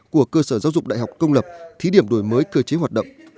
của cơ sở giáo dục đại học công lập thí điểm đổi mới cơ chế hoạt động